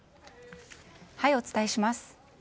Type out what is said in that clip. お伝えします。